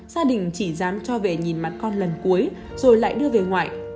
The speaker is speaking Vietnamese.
gia đình chỉ dám cho về nhìn mặt con lần cuối rồi lại đưa về ngoại